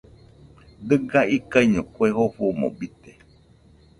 Diga ikaiño kue jofomo bite